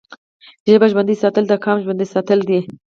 ژبه ژوندی ساتل د قام ژوندی ساتل دي.